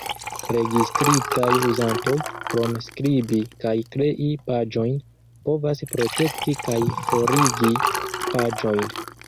Registritaj uzantoj, krom skribi kaj krei paĝojn, povas protekti kaj forigi paĝojn.